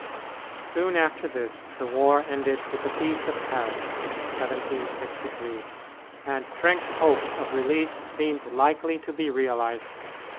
Soon after this the war ended with the Peace of Paris (1763), and Trenck's hopes of release seemed likely to be realized.